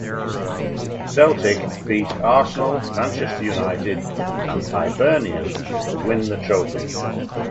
Celtic beat Arsenal, Manchester United and Hibernian to win the trophy.